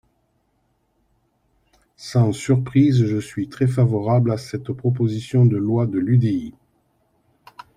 Sans surprise, je suis très favorable à cette proposition de loi de l’UDI.